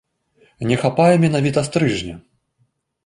Не хапае менавіта стрыжня.